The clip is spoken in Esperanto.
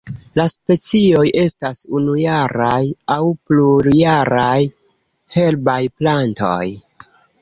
La specioj estas unujaraj aŭ plurjaraj herbaj plantoj.